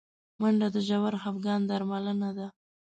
منډه د ژور خفګان درملنه ده